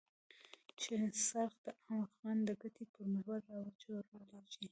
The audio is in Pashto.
چې څرخ د عام افغان د ګټې پر محور را وچورليږي.